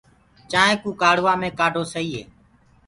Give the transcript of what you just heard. چآنٚينٚ ڪوُ ڪآڙهوآ مينٚ ڪآڍو سئي هي۔